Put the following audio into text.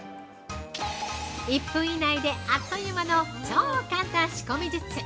◆１分以内で、あっという間の超簡単仕込み術。